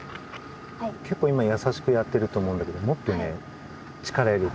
けっこう今やさしくやってると思うんだけどもっとね力を入れて。